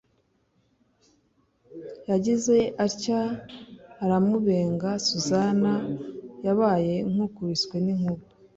yagize atya aramubenga susan yabaye nk’ukubiswe n’inkuba